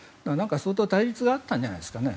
相当対立があったんじゃないですかね。